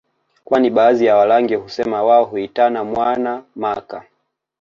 kwani baadhi ya Warangi husema wao huitana mwaana maka